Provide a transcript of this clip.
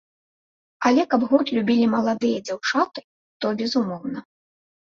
Але каб гурт любілі маладыя дзяўчаты, то, безумоўна.